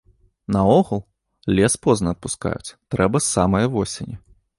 Наогул, лес позна адпускаюць, трэба з самае восені.